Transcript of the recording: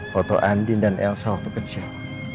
foto andin dan elsa waktu kecil